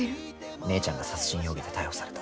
姉ちゃんが殺人容疑で逮捕された。